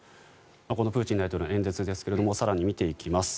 プーチン大統領の演説ですが、更に見ていきます。